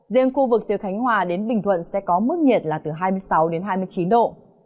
riêng khu vực từ khánh hòa đến bình thuận sẽ có mức nhiệt là từ hai mươi sáu đến hai mươi chín độ